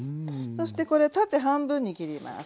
そしてこれ縦半分に切ります